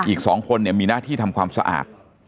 อีก๒คนมีหน้าที่ทำความสะอาด